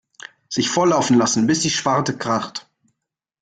Sich volllaufen lassen bis die Schwarte kracht.